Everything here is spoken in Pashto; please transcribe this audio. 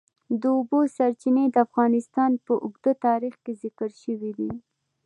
د اوبو سرچینې د افغانستان په اوږده تاریخ کې ذکر شوی دی.